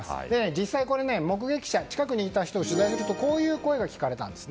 実際、目撃者近くにいた人を取材するとこういう声が聞かれたんです。